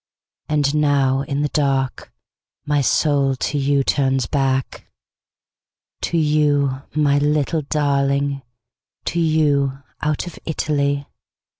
And now in the dark my soul to youTurns back. To you, my little darling, To you, out of Italy.